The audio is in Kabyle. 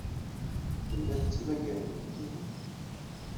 Tella tettmagar inebgiwen.